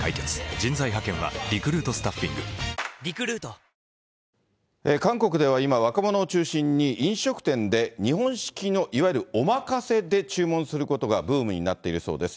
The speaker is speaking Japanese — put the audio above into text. オールインワン若者を中心に飲食店で日本式のいわゆるおまかせで注文することがブームになっているそうです。